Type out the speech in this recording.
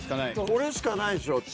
これしかないっしょって。